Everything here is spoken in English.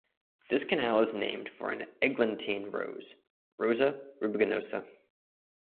This canal is named for an eglantine rose ("Rosa rubiginosa").